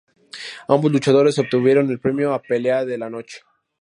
Ambos luchadores obtuvieron el premio a "Pelea de la Noche".